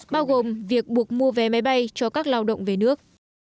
bao gồm việc buộc mua vé máy bay cho các lao động về nước